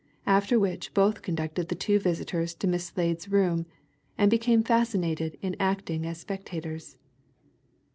After which both conducted the two visitors to Miss Slade's room, and became fascinated in acting as spectators.